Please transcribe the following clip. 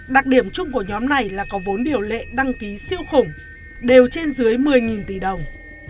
đặc điểm chung của nhóm này là có vốn điều lệ đăng ký siêu khủng đều trên dưới một mươi tỷ đồng